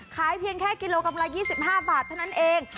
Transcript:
เพียงแค่กิโลกรัมละ๒๕บาทเท่านั้นเอง